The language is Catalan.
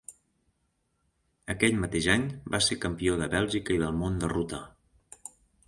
Aquell mateix any, va ser campió de Bèlgica i del Món de ruta.